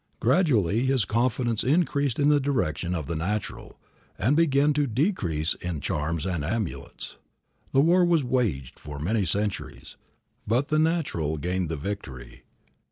Gradually his confidence increased in the direction of the natural, and began to decrease in charms and amulets, The war was waged for many centuries, but the natural gained the victory.